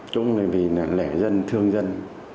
chúng vì lẻ dân thương dân